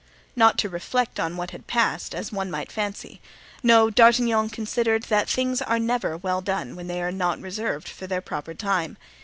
Not to reflect on what had passed, as one might fancy. No, D'Artagnan considered that things are never well done when they are not reserved to their proper time.